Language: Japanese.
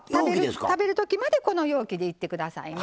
食べる時までこの容器でいって下さいね。